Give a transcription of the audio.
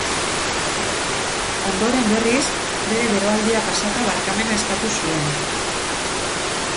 Ondoren berriz, bere beroaldia pasata, barkamena eskatu zuen.